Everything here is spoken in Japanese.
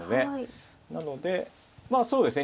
なのでまあそうですね。